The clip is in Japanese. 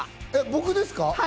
僕ですか？